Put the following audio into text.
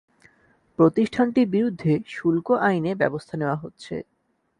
প্রতিষ্ঠানটির বিরুদ্ধে শুল্ক আইনে ব্যবস্থা নেওয়া হচ্ছে।